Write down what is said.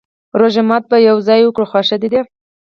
روژه ماته به يو ځای وکرو، خوښه دې ده؟